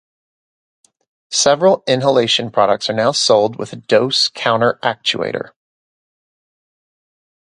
Several inhalation products are now sold with a dose counter-actuator.